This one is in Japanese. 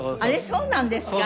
そうなんです。